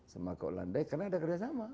sama kok landai karena ada kerjasama